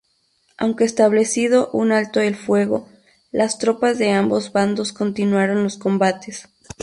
Aunque establecido un alto el fuego, las tropas de ambos bandos continuaron los combates.